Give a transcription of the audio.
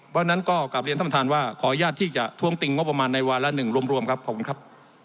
เพราะฉะนั้นก็กลับเรียนท่านประธานว่าขออนุญาตที่จะท้วงติงงบประมาณในวาระหนึ่งรวมครับขอบคุณครับ